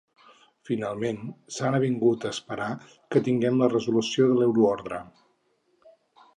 Finalment s’han avingut a esperar que tinguem la resolució de l’euroordre.